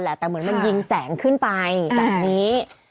แต่เหมือนมันยิงแสงขึ้นไปแบบนี้